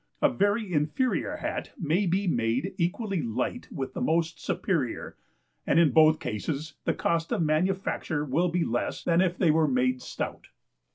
A very inferior Hat may be made equally light with the most superior, and in both cases the cost of manufacture will be less than if they were made stout.